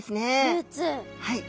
はい。